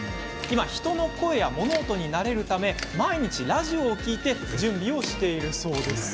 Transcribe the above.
人の声や物音に慣れるため毎日ラジオを聴いて準備をしているんだそうですよ。